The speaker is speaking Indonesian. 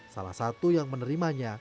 salah satu yang menerimanya